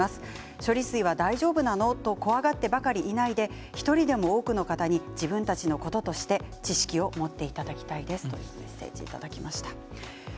処理水は大丈夫なの？と怖がってばかりいないで１人でも多くの方に自分たちのこととして知識を持っていただきたいですといただきました。